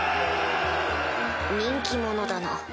人気者だな